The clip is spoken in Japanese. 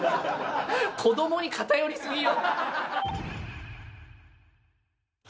子どもに偏り過ぎよ。